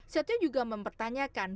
setia juga mempertanyakan